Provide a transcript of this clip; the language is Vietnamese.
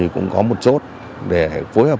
cũng có một chốt để phối hợp